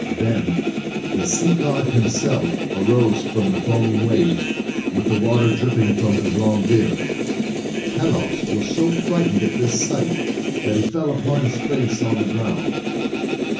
Then the sea god himself arose from the foaming waves, with the water dripping from his long beard. Pelops was so frightened at this sight, that he fell upon his face on the ground.